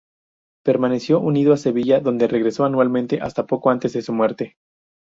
Permaneció unido a Sevilla, donde regresó anualmente hasta poco antes de su muerte.